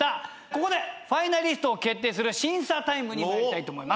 ここでファイナリストを決定する審査タイムに参りたいと思います。